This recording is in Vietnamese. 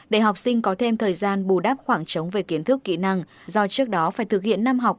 để học sinh có thêm thời gian bù đắp khoảng trống về kiến thức kỹ năng do trước đó phải thực hiện năm học